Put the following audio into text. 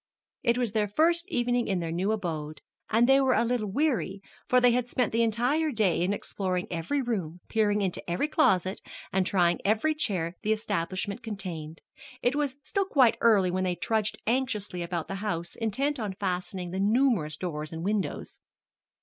It was their first evening in their new abode, and they were a little weary, for they had spent the entire day in exploring every room, peering into every closet, and trying every chair that the establishment contained. It was still quite early when they trudged anxiously about the house, intent on fastening the numerous doors and windows.